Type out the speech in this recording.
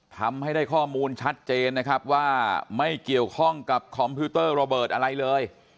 ทำให้ได้ข้อมูลชัดเจนนะครับว่าไม่เกี่ยวข้องกับคอมพิวเตอร์ระเบิดอะไรเลย